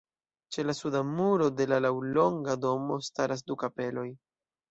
Ĉe la suda muro de la laŭlonga domo staras du kapeloj.